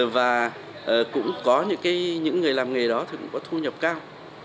và cũng có những người làm nghề đó thì cũng có thu nhập cao